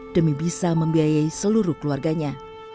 demi bisa membiayai seluruh keluarganya